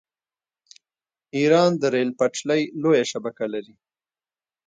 ایران د ریل پټلۍ لویه شبکه لري.